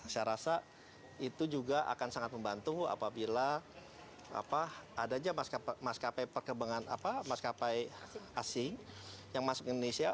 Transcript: saya rasa itu juga akan sangat membantu apabila adanya maskapai perkembangan maskapai asing yang masuk ke indonesia